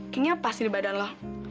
kingnya pas di badan lo